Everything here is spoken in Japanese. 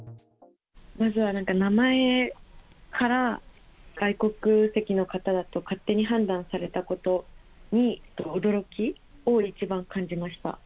まずはなんか、名前から外国籍の方だと勝手に判断されたことに、驚きを一番感じました。